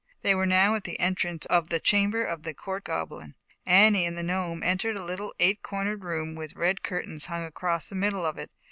They were now at the entrance of the Chamber of the Court Goblin. Annie and the Gnome entered a little eight cornered room, with red curtains hung across the middle of it.